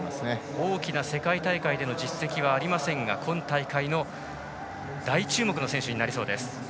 大きな世界大会での実績はありませんが今大会の大注目の選手になりそうです